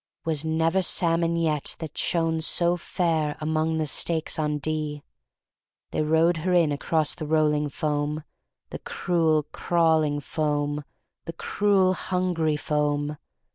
Was never salmon yet that shone so fair Among the stakes on Dee. They rowed her in across the rolling foam. The cruel, crawling foam. The cruel, hungry foam.